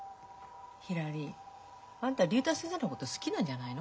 ひらりあんた竜太先生のこと好きなんじゃないの？